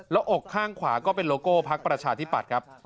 แล้วอกข้างขวาก็เป็นโลโก้พักประชาธิปัตย์ครับ